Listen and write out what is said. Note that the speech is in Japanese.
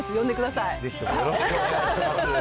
ぜひともよろしくお願いしま